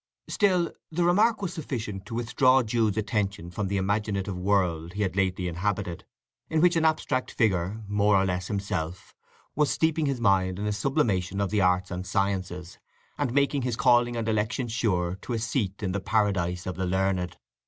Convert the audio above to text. Still, the remark was sufficient to withdraw Jude's attention from the imaginative world he had lately inhabited, in which an abstract figure, more or less himself, was steeping his mind in a sublimation of the arts and sciences, and making his calling and election sure to a seat in the paradise of the learned.